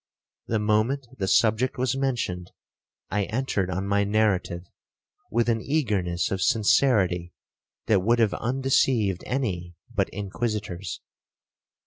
The moment the subject was mentioned, I entered on my narrative with an eagerness of sincerity that would have undeceived any but Inquisitors.